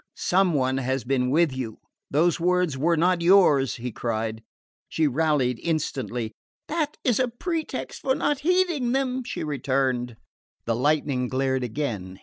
"Some one has been with you. Those words were not yours," he cried. She rallied instantly. "That is a pretext for not heeding them!" she returned. The lightning glared again.